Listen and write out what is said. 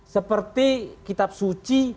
seperti kitab suci